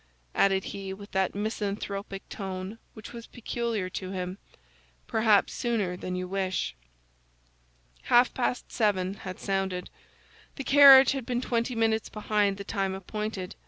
added he, with that misanthropic tone which was peculiar to him, "perhaps sooner than you wish." Half past seven had sounded. The carriage had been twenty minutes behind the time appointed.